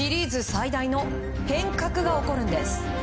最大の変革が起こるんです。